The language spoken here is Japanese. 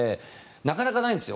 なかなかないんですよ。